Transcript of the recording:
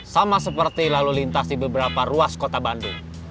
sama seperti lalu lintas di beberapa ruas kota bandung